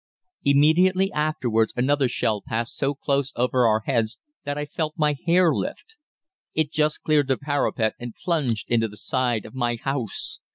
"Immediately afterwards another shell passed so close over our heads that I felt my hair lift. It just cleared the parapet and plunged into the side of my house.